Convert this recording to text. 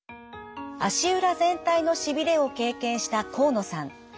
足裏全体のしびれを経験した河野さん。